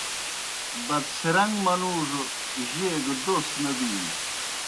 بدڅِھرِن٘گ منُوڙوْ جیئے گہ دوس نہ بِینوْ۔